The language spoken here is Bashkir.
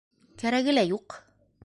Кәрәге лә юҡ.